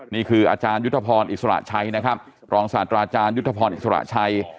นี่คืออาจารยุทธพรอิสระชัยนะครับรองศาสตราจารยุทธพรอิสระชัย